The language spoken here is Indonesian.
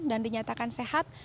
dan dinyatakan sehat